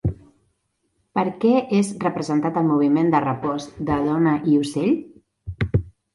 Per què és representat el moviment de repòs de Dona i ocell?